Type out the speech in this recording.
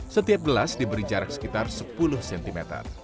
setiap gelas diberi jarak sekitar sepuluh cm